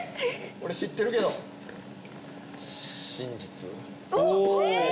俺知ってるけど真実おぉ！